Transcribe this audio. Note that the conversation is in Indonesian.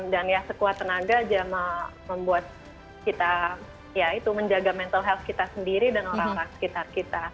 dan ya sekuat tenaga aja membuat kita ya itu menjaga mental health kita sendiri dan orang orang sekitar kita